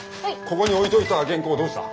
ここに置いといた原稿どうした？